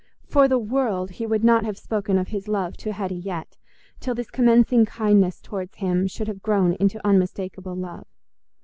For the world he would not have spoken of his love to Hetty yet, till this commencing kindness towards him should have grown into unmistakable love.